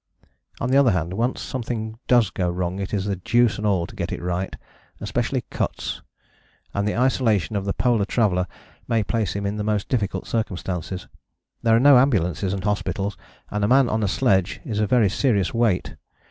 On the other hand, once something does go wrong it is the deuce and all to get it right: especially cuts. And the isolation of the polar traveller may place him in most difficult circumstances. There are no ambulances and hospitals, and a man on a sledge is a very serious weight.